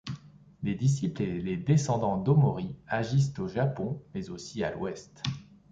Les disciples et les descendants d'Ōmori agissent au Japon mais aussi à l'Ouest.